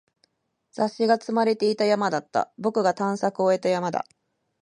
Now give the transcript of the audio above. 雑誌が積まれていた山だった。僕が探索を終えた山だ。